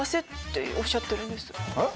えっ？